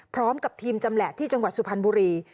พร้อมกับทีมจำแหละที่จังหวัดสุพรรณบุรี